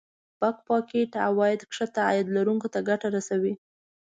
د Back pocket عواید ښکته عاید لرونکو ته ګټه رسوي